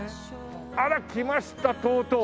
あらきましたとうとう。